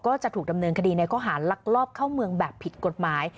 ก็จะถูกดำเนินคดีในข้อหารลักลอบเข้าเมืองแบบผิดกฎหมาย